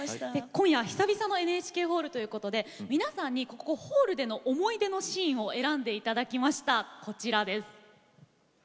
今夜は久々のＮＨＫホールということで皆さんに、ＮＨＫホールでの思い出に残るシーンを選んでいただきました。